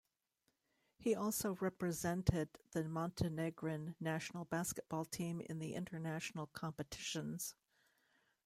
He also represented the Montenegrin national basketball team in the international competitions.